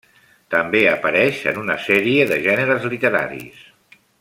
També apareix en una sèrie de gèneres literaris.